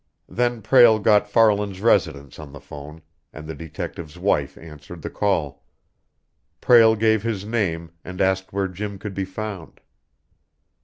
Then Prale got Farland's residence on the telephone, and the detective's wife answered the call. Prale gave his name, and asked where Jim could be found.